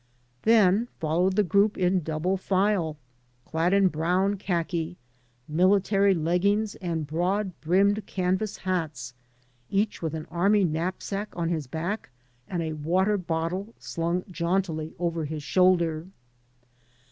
Then followed the group in double file, clad in brown khaki, miUtary leggings, and broad brimmed canvas hats, each with an army knapsack on his back and a water bottle slung jauntily over his shoulder.